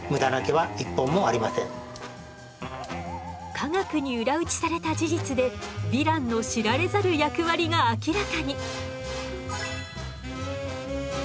科学に裏打ちされた事実でヴィランの知られざる役割が明らかに。